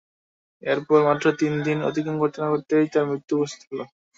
এর পর মাত্র তিন দিন অতিক্রম করতে না করতেই তাঁর মৃত্যু উপস্থিত হল।